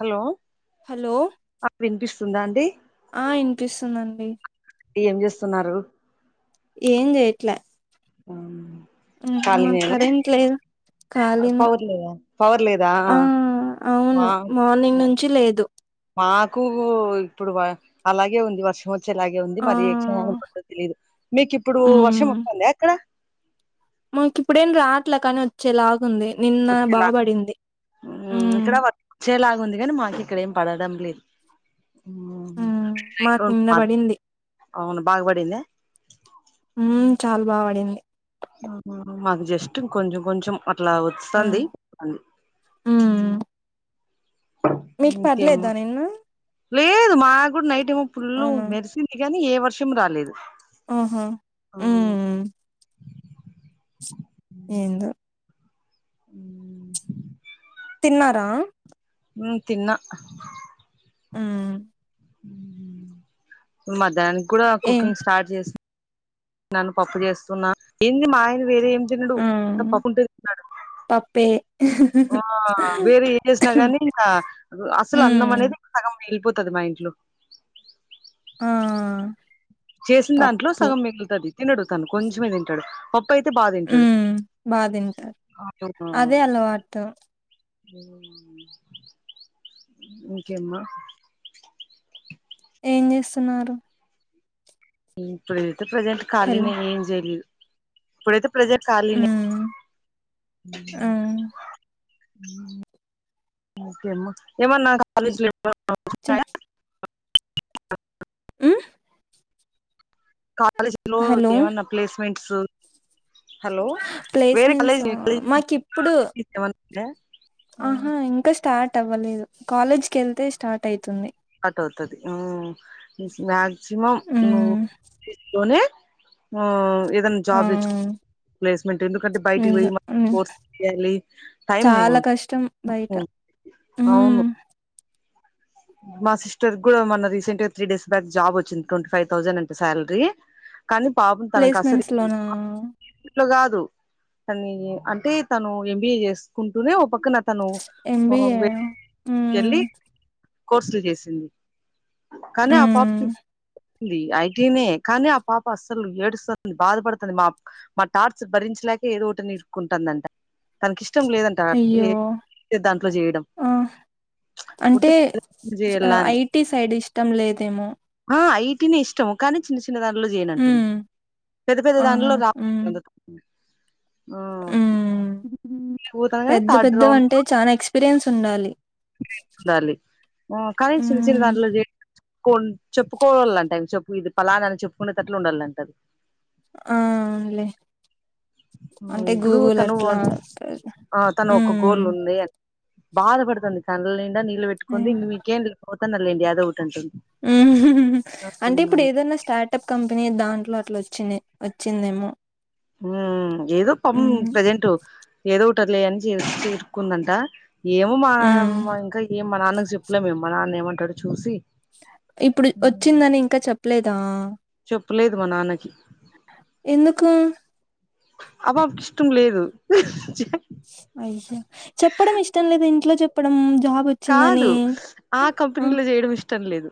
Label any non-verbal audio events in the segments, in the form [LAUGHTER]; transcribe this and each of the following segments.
Hello hello వినిపిస్తుందా అండి ఆ ఇనిపిస్తుందండి ఏం చేస్తున్నారు ఏం చేయట్లే ఆ హ్మ్ మాక్ కరెంట్ లేదు కాళీనే పవర్ లేదా పవర్ లేదా ఆ మా అవును మార్నింగ్ నుంచి లేదు మాకు ఇప్పుడు అలాగే ఉంది వర్షం వచ్చే లాగే ఉంది ఆ మరి ఈ క్ననన కొడుతుందో తెలీదు మీకు ఇప్పుడు వర్షం ఓస్తుందా అక్కడ మీకూ ఇప్పుడేం రాట్లా కాని వచ్చేలాగుంది నిన్న బా వచ్చేలా పడింది హ్మ్ మబ్బు ఉంది కానీ మాకు ఇక్కడ ఏం పడడం లేదు ఉమ్ మాకు నిన్న ఉమ్మ్ పడింది అవును బాగ్బడింద ఉ చాలా బా పడింది మాకు జస్ట్ కొంచెం కొంచం అట్లా ఉమ్ వచ్చంది ఉమ్ మీకు పర్లేదా నేను లేదు మా కూడా నైట్ ఏమో ఫుల్లు అవునా మెరిసింది గానీ ఏ వర్షం రాలేదు ఆఓహో ఉమ్ ఏందో అఉమ్ తిన్నారా ఊమ్ తిన్న హ్మ్ మద్యనానికి కూడా ఏం కుకింగ్ స్టార్ట్ చేస స్తున్న పప్పు చేస్తున్నా ఏంటి మా ఆయన వేరేం తినడు ఆ ఊత పప్పుంటే తింటాడు పప్పే ఆ వేరే ఏ చేసినా నీ ఇంకా అసలు అన్నం హ్మ్ అనేది సగం మిగిళ్ళిపోతది మా ఇంట్లో ఆ చేసిన దాంట్లో పప్పు సగం మిగులుతుంది తినడు తను కొంచెమే తింటాడు పప్పు అయితే బా తింటాడు హ్మ్ బా తింటారు అదే అలవాటు ఇంకేం ఏం చేస్తున్నారు ఇప్పుడైతే ప్రజెంట్ హలో ఖాళీని ఏం చేయలేదు ఇప్పుడైతే ప్రెసెంట్ కాలి నే హ్మ్ హ్మ్ ఓకే చ [UNINTELLIGIBLE] హ్మ్ కాలేజీ లో హలో ఏమన్నా ప్లేస్మెంట్స్ హలో ప్లేస్మెంట్సా మాకిప్పుడు [UNINTELLIGIBLE] ఆహా స్టార్ట్ ఇంకా స్టార్ట్ అవ్వలేదు కాలేజ్ కి వెళ్తే స్టార్ట్ అయితుంది అవుతుది హ్మ్ మక్సిమం నువ్వు హ్మ్ ప్లేస్మెంట్ లోనే ఆ ఏదైనా ఆ జాబ్ తెచ్చుకో ప్లేస్మెంట్ ఎందుకంటే బయటికి నిజ పోయి హ్మ్ కోర్స్ లు చేయాలి టైం బయిట అవును మా సిస్టర్ కూడా మొన్న రీసెంట్ గా త్రీ డేస్ బ్యాక్ జాబ్ వచ్చింది ట్వంటీ ఫైవ్ థౌసండ్ అంట సాలరీ కానీ పాపం తనకు అసలు ప్లేస్మెంట్స్ లోనా ఇట్ తన్ని అంటే తను ఎంబిఏ చేసుకుంటూనే పక్కన తను ఎంబిఏ హ్మ్ వెళ్ళి కోర్సులు చేసింది కానీ ఆ పాప హ్మ్ ఐటీనే కానీ ఆ పాప అస్సలు ఏడుస్తుంది బాధపడుతుంది మా మా టార్చ భరించలేక ఏదోటని ఇరుకుంటుందంట తనకి ఇష్టం ఇష్టం అయ్యో లేదంట దాంట్లో చేయడం చేయాల అని ఐటి సైడ్ ఇష్టం లేదేమో ఐ టీ నే ఇష్టము కానీ చిన్న చిన్న దాంట్లో చేయను అంటుంది ఉమ్ పెద్ద పెద్ద ఆహా దాంలో రా ఉమ్ ఉమ్ ఇంటర్వ్యూ పోతుంది కానీ పెద్ద థర్డ్ రౌండ్ పెద్దవంటే లో చానా ఎక్స్పీరియన్స్ ఉండాలి డాలి కానీ చిన్న చిన్న ఉమ్ దాంట్లో చే కొ చెప్పుకోవాలంట చెప్పు ఇది పలానాని చెప్పుకునేటట్లు ఉండాలంట అది ఆ అవును లే ఆ ఇప్పుడు తను అట్లా ఆ తను ఒక ఉమ్ గోల్ ఉంది అని బాధ పడుతుంది కండ్ల నిండా నీళ్లు పెట్టుకొంది ఇంకా మీకేం పోతనలే ఏదో ఒకటి అంటుంది అంటే ఇప్పుడు ఏదైనా స్టార్టప్ కంపెనీ దాంట్లో అట్లా వచ్చింది వచ్చిందేమో ఉ ఏదో పాపం ఉమ్ ప్రెజెంట్ ఏదో ఒకటి లే అని చేసుకుందట ఏమో మా ఉమ్ ఇంకా ఏం మా నాన్నకి చెప్పులే మేము మా నాన్న ఏమంటాడో చూసి ఇప్పుడు వచ్చిందని ఇంకా చెప్పలేదా చెప్పలేదు మా నాన్నకి ఎందుకు ఆ బాబు ఇష్టం లేదు చెప్పడం ఇష్టం లేదా ఇంట్లో చెప్పడం జాబ్ కాదు వచ్చిందని ఆ ఊ హు కంపెనీలో చేయడం ఇష్టం లేదు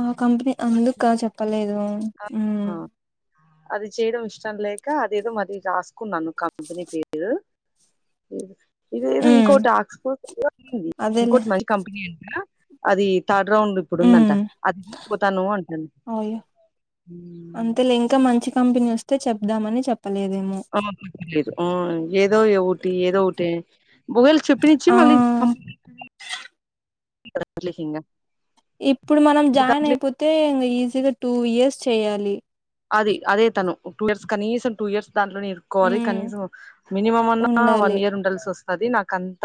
ఆ ఉ హు ఆ అందుక చెప్పలేదు ఆ ఆ! అది చేయడం ఇష్టం లేక అదేదో మరి రాసుకున్నాను కంపెనీ పేరు ఏది ఇదిదో మ్మ్ ఇంకోకటి ఆక్స్పోర్ ఉంది అదేలే ఇంకోటి మంచి కంపెనీ అంట అది థర్డ్ రౌండ్ ఇప్పుడు ఉందంట మ్మ్ అది ఇప్పుడు తను అంటది అయ్యో అంతేలే ఇంకా మంచి కంపెనీ వస్తే చెబుదామని చెప్పలే ఆ లేదు ఆ ఏదో ఒకటి ఏదో ఒకటి బుగలు చెప్పినచ్చి ఆ మళ్ళీ బొబ్బిలి సింహం ఇప్పుడు మనం జాయిన్ అయిపోతే ఈజీగా టూ ఇయర్స్ చెయాలి అది అదే తను టూ ఇయర్స్ కనీసం టూ ఇయర్స్ దాంట్లో ఎరుకోవాలి మ్మ్ కనీసం మినిమం అన్నా వన్ ఉండాలి ఇయర్ ఉండాల్సి వస్తుంది అది నాక అంత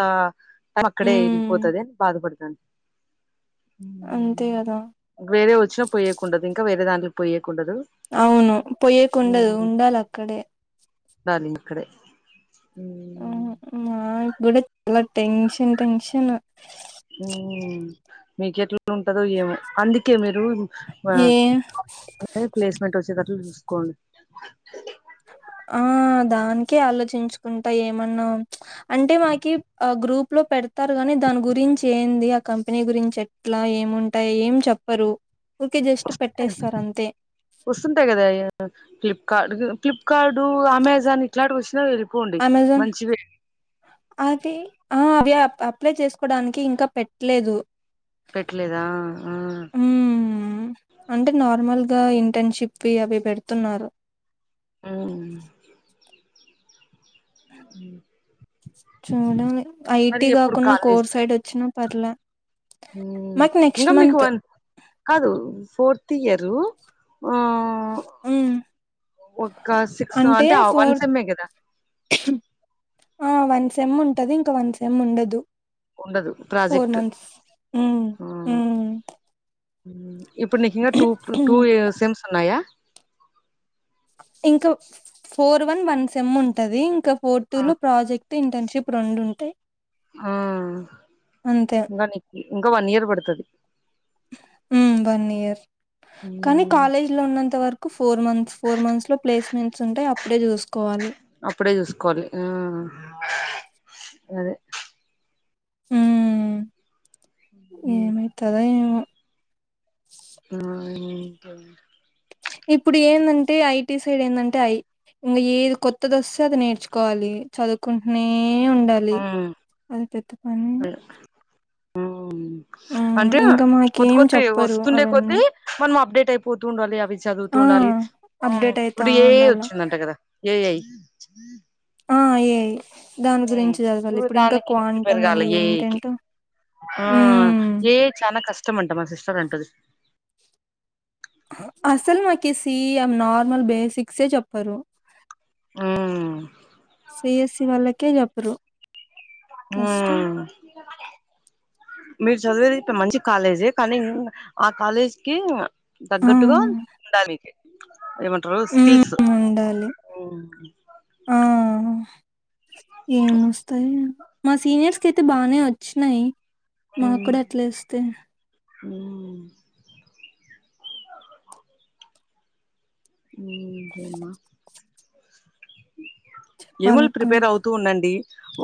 అక్కడే మ్మ్ వెళ్ళిపోతుంది అని బాధపడుతుండి అంతే కదా వేరే వచ్చినా పోయేకుండదు ఇంకా వేరే దాంట్లో పోయ్యకుండదు అవును పొయ్యేకుండదు ఉండాలక్కడే ఉండాలి అక్కడే మ్మ్ గుడిత్ న టెన్షన్ టెన్షను మ్మ్ మీకెట్లా ఉంటదో ఏమో అందుకే మీరు ఆ ఏ అ ప్లేస్మెంట్ వచ్చేదట్లు చూసుకోండి ఆ దానికే ఆలోచించుకుంటా ఏమన్నా అంటే మాకి ఆ గ్రూప్ గ్రూప్ లో పెడతారు గాని దాని గురించి ఏంది ఆ కంపెనీ గురించి ఎట్లా ఏముంటాయో ఏం చెప్పరు ఊరికే జస్ట్ వస్తు పెట్టేస్తారు అంతే వస్తుంటాయి కదా అ ఫ్లిప్ కార్డ్ ఫ్లిప్కార్డు అమెజాన్ ఇట్లాంటి వచ్చినాయి వెళ్ళిపో అమెజన్ అది అవి అప్ అప్లై చేసుకోడానికి ఇంకా పెట్లేదు పెట్లేదా ఆ మ్మ్ అంటే నార్మల్ గా ఇంటర్న్షిప్వి అవి పెడుతున్నారు మ్మ్ చూడాలి మరి ఐటీ ఎప్పుడు కాకుండా కోర్ సైడ్ వచ్చిన పర్లా మ్మ్ ఇంగా మీకు వన్ కాదు ఫోర్త్ ఇయరు మ్మ్ ఒక్క సిక్స్ అంటే ఆ వన్ సెమ్ ఏ కదా ఆ వన్ సెమ్ ఉంటది ఇంకా వన్ సెమ్ ఉండదు ఉండదు ఫోర్ ప్రాజెక్ట్ మంత్స్ మ్మ్ మ్మ్ ఇప్పుడు నీకు ఇంకా టూ టూ సిమ్స్ ఉన్నాయా ఇంకా ఫోర్ వన్ వన్ సెమ్ ఉంటంది ఇంకా ఫోర్ టూ లో ప్రాజెక్ట్ ఇంటర్న్షిప్ రెండు ఉంటాయి ఆ అంతే ఇంకా నకు ఇంకా వన్ ఇయర్ పడుతుది వన్ ఇయర్ కానీ మ్ కాలేజ్ లో ఉన్నంత వరకు ఫోర్ మంత్స్ ఫోర్ మంత్స్ లో ప్లేస్మెంట్స్ ఉంటాయి అప్పుడే చూసు అప్పుడే చూసుకోవాలి అదే హ ఏమైతదొ ఏమో ఆ ఇప్పుడు ఏందంటే ఐటి సైడ్ ఏందంటే ఐ ఇంకా ఏది కొత్తది వస్తే అది నేర్చుకోవాలి చదువుకుంటునే ఉండాలి అది పెద్ద పని ఆ అంటే ఇంకా కొద్ది మాకేం కొద్ది చెప్పరు వస్తుండే అవన్నీ కొద్దిీ మనం అప్డేట్ అయిపోతూ ఉండాలి అవి చదువుతూ ఆ ఉండాలి అప్డేట్ అయితా ఇప్పుడు ఏ ఉండాల వచ్చిందంట కదా ఏ అయి [UNINTELLIGIBLE] ఆ అయ దాని గురించి చదగాలి ఇప్పుడు ఇంకా దానికి ప్రిపేర్ క్వాంటమ్ అని కావాలి ఏఐకి ఏంటంటో ఆ ఏ చనాా కష్టమ అంటా మా సిస్టర్ అంటది అసలు మాకి సిఎం నార్మల్ బేసిక్సే చెప్పరు మ్మ్ సేయసి వాళ్ళకే జపురు ఆ మీరు చదివేది ఇప్పు మంచి కాలేజీ కానీ ఆ కాలేజ్ కి ఆ తగ్గట్టుగా ఉండా నకు ఏమంటారు స్కిల్స్ మ్మ్ ఉండాలి ఏంఓస్యి మా సీనియర్స్ క అయితే బాగానే వచ్చినాయి హ్మ్ మాక్కడ అట్లే వస్తే [UNINTELLIGIBLE] ఈ లేై మా ఏమో వాళ్ళకు ప్రిపేర్ అవుతూ ఉండండి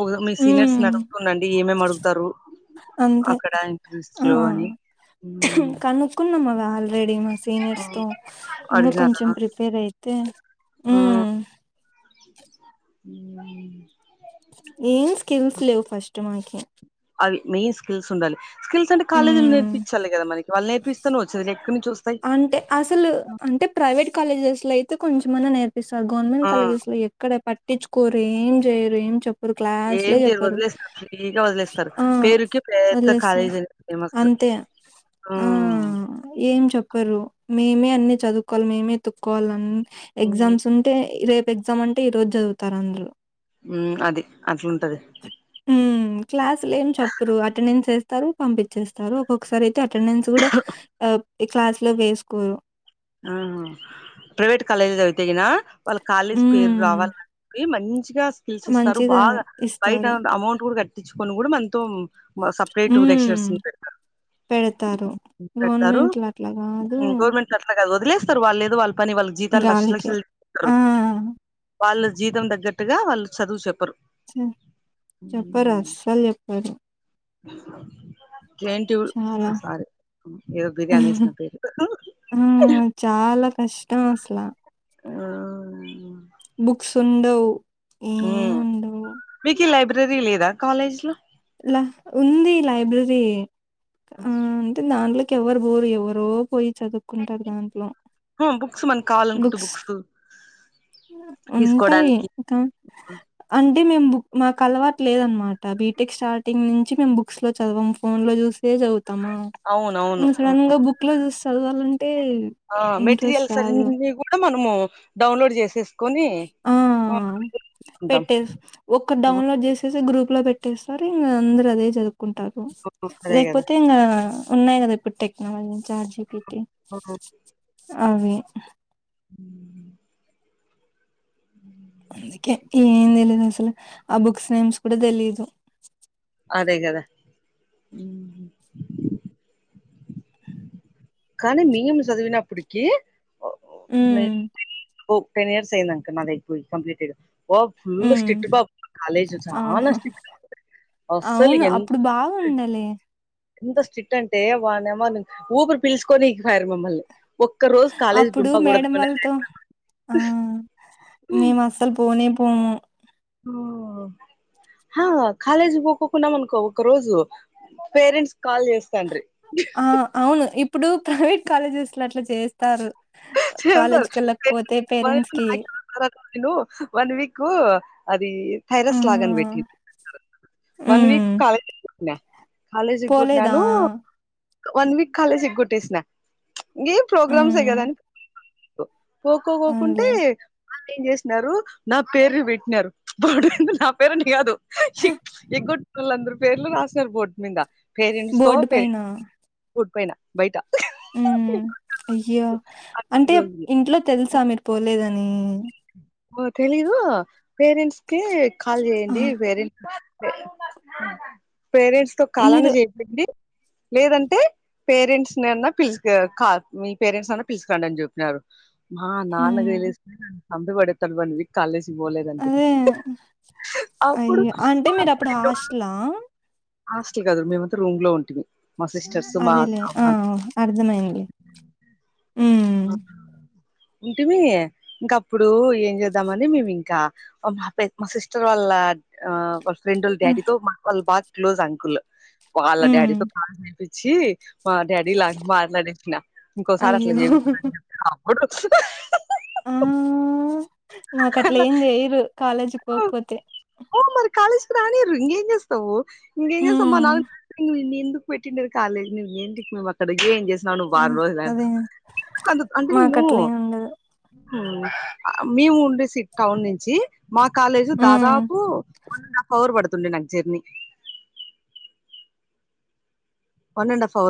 ఒక మీ సీనియర్స్ మ్మ్ ని అడుగుతు ఉండండి ఏమేమి అడుగుతారు అంతే అక్కడ ఇంట్రెస్ ఆ లో అని రెడీ మా సీనియర్స్ తో ఇంకా అడిగినారా కొంచెం ప్రిపేర్ అయితే ఆ హ్మ్ [UNINTELLIGIBLE] ఏం స్కిల్స్ లేవు ఫస్ట్ మాకి అది మెయిన్ స్కిల్స్ ఉండాలి స్కిల్స్ అంటే కాలేజ లో నేర్ించాలి కదా మనకిళ్ళ నేర్పిస్తనే వచ్చంది అంటే అసలు అంటే ప్రైవేట్ కాలేజెస్ లో అయితే కొంచెమన్నా నేర్ సార్ గవర్నమెంట్ ఆ కాలేజెస్ లో ఎక్కడ పట్టించుకోరు ఏం చేయరు ఏం చెప్పరు ఏం క్లాస్లే చేయరు చెప్పరు వదిలేస్తారు ఫ్రీగా వదిలేస్తారు ఆ పేరుకి పెద్ద వదిలేస్తారు కాలేజీ ఫేమస్ అంతే ఆ హ్మ్ ఏం చెప్పు చెరు మేమే అన్ని చదువుకోవాలి మేమే తక్కోవాలి హ్మ్ ఎగ్జామ్స్ ఉంటే రే రేప్ ఎక్సమ్ అంటే ఈ రోజు చదువుతారు అందరు అది అట్లుంటది క్లాస్లు ఏం చెప్పరు అటెండెన్స్ వేస్తారు పంపించేస్తారు ఒక్కొక్కసారి అయితే అటెండెన్స్ కూడా ఈ క్లాస్ లో వేసుకోరు తగిన వాళ్ళ కాలేజీ పేరు హ్మ్. రావాలని చెప్పి మంచిగా స్కీస్ ఇస్తారు మంచిగా బాగా బయట ఇస్తారు. అమౌంట్ కూడా కట్టించుకని కూడా మనతో సపరేట్ హ్మ్. లెక్సులర్స్ పెడతారు గవర్నమెంట్లు అట్లా కాదు గవర్నమెంట్ అట్లా వదిలేస్తారు వాళ్ళు లేదు వాళ్ళ పని వాళ్ళ జీతాలు లక్ష గాలికే. లక్షలుతారు ఆ! వాళ్ళ జీతం తగ్గట్టుగా వాళ్ళు చదువు చెప్పరు చెప్పర్లు ఎప్పారు చాలా. [UNINTELLIGIBLE] ఏదో బిర్యానీ వేసిన పేరు ఆ! చాలా కష్టం అసలా ఆ బుక్స్ ఉండవ్ మీకు ఈ లైబ్రరీ లేదా కాలేజ్ లో ల ఉంది లైబ్రరీ ఆ అంటే దాంలో ఎవరు బోరు ఎవరో పోయి చదువుకుంటారు దాంట్లో బుక్స్ మనకు కావాలనుకుంటే బుక్స్ ఉంటాయి తీసుకోవడానికి ఇంకా అంటే మేము మాకు అలవాటు లేదనమాట బీటెక్ స్టార్టింగ్ నుంచి మే బుక్స్ లో చదవం ఫోన్ లో చేసే చదువుతామ అవునవును సడన్ గా బుక్ లో చదవాలంటే ఆ ఇంట్రెస్ట్ మెటీరియల్స్ రాదు [UNINTELLIGIBLE] కూడా మనము డౌన్లోడ్ చేసేసుకొని ఆ ఉంటాం పెట్టే ఒక్క డౌన్లోడ్ చేసే గ్రూ లో పెట్టేస్తారు ఇంక అందరు అదే చదువుకుంటారు అదే కదా లేకపోతే ఇంగ ఉన్నాయి కదా ఇప్పుడు టెక్నాలజీ నుంచి చట్జిపిటి ఆ అవును అందుకే ఏం తెలీదు అసలు ఆ బుక్స్ నేమ్స్ కూడా తెలీదు అదే కదా కానీ నేను చదువున్నపటికీ ఉమ్ టెన్ ఇయర్స్ అయియంద అంక నాద అయిపోయి కంప్లీట్ పో ఫుల్ ఉమ్ స్ట్రిక్ట్ గా వచ్చనా ఆహా స్ అవును అప్పుడు బాగుండలే ఎంత స్ట్రిట్ అంటే వామ ఊపిరు పిలుచుకొని ఇకిపోరు మమ్మల్ని ఒక్క రోజు కాలేజ్ అప్పుడు మేడం వాళ్ళతో ఆ [UNINTELLIGIBLE] మేము అస్సలు పోనే పోము [UNINTELLIGIBLE] ఆ కాలేజీ పోక్కకున్నాం అనుకో ఒక రోజు పేరెంట్స్ కాల్ చేస్తండ్రీ ఆ అవును ఇప్పుడు ప్రైవేట్ కాలేజెస్ లో అట్లా చేస్తారు కాలేజ్ కి [UNINTELLIGIBLE] వెళ్ళకపోతే పేరెంట్స్ కి వన్ వీక్ [UNINTELLIGIBLE] మ్మ్ మ్మ్ కాలేజ్ [UNINTELLIGIBLE] పోలేదా నాను వన్ వీక్ కాలేజ్ ఎగ్గొటేసిన ఇం ప్రోగ్రామ్స్ మ్మ్ కదా ఆన్ పోకోకుంటే అవునులే [UNINTELLIGIBLE] ఏం చేసినారు నా పేరుని పెట్టినారు బాడు కంది నా పేరుని కాదు ఎగొట్ వాళ్ళందరు పేర్లు రాసారు బోర్డు మీద పేరెంట్స్ తో బోర్డు [UNINTELLIGIBLE] బయట ఉ అయ్యా అంటే ఇంట్లో తెలుసా మీరు పోలేదని ఓ తెలీదు పేరెంట్స్ కి కాల్ చేయండి ఆహా! పేరెంట్స్ పేరెంట్స్ తో కాల్ అన్న మీరు చేపిండి లేదంటే పేరెంట్స్ నన్నా పిలుసు మీ పేరెంట్స్ అన్నా పిలుచుకురాండి అని చెప్పినారు మ్మ్ [UNINTELLIGIBLE] న్ వీక్ కాలేజ్ పోలేదంటే అదే అప్పుడు అయ్యో అంటే మీరు అప్పుడు హాస్టలా హాస్టల్ కద మేమంతా రూమ్ లో ఉంటిమి మా సిస్టర్సూ అదేలే ఆ అర్థమైంది [UNINTELLIGIBLE] ఉమ్ అవునా ఉంటిమి ఇంకా అప్పుడు ఏం చేద్దామని మేము ఇంకా మా మా సిస్టర్ వాళ్ళ [INAUDIBLE] ఫ్రెండ్ వాళ్ళ డాడీతో మా వాళ్ళు బాగా క్లోజ్ అంకుల్ వాళ్ళ ఉమ్ డాడీతో [UNINTELLIGIBLE] చేపించి [UNINTELLIGIBLE] ఇంకోసారి అట్లా అని [INAUDIBLE] [UNINTELLIGIBLE] మాకు అట్లే ఏం చేయరు కాలేజీకి పోకపోతే కాలెజె రాణిరు ఇంకా ఎన్ చెస్థమ్ ఉమ్ [UNINTELLIGIBLE] పెట్టిండారు కాలేజ్ నువ ఏంటి మేము అక్కడికి ఏం చేసినావు నువ్వు వారం రోజుల అదే అంత అంటే నేను మాకట్లేం ఉండదు మేము ఉండేసి టౌన్ నుంచి మా కాలేజ్ ఉమ్ దాదాపు వన్ అండ్ హాఫ్ అవర్ పడుతుండంది నాకు జర్నీ వన్ అండ్ హఫ్వర్